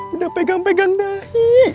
udah pegang pegang dahi